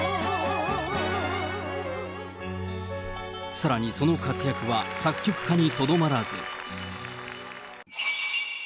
さらに、その活躍は作曲家にとどまらず。